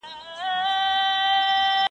له مکتبه رخصت سویو ماشومانو ..